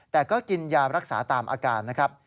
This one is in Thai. แต่ก็กินยารักษาตามอาการนะครับ